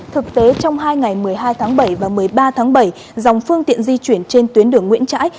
thực tế trong hai ngày một mươi hai tháng bảy và một mươi ba tháng bảy dòng phương tiện di chuyển trên tuyến đường nguyễn trãi